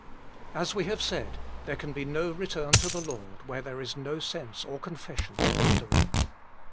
As we have said, there can be no return to the Lord, where there is no sense or confession of wandering.